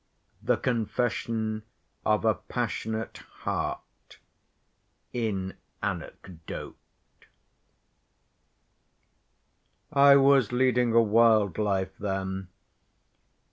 The Confession Of A Passionate Heart—In Anecdote "I was leading a wild life then.